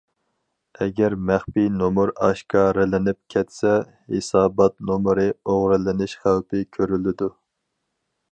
ئەگەر مەخپىي نومۇر ئاشكارىلىنىپ كەتسە، ھېسابات نومۇرى ئوغرىلىنىش خەۋپى كۆرۈلىدۇ.